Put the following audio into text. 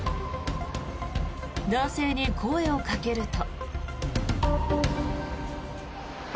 男性に声をかけると。